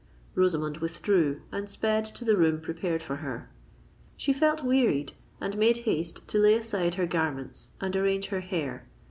Rosamond withdrew, and sped to the room prepared for her. She felt wearied, and made haste to lay aside her garments and arrange her hair.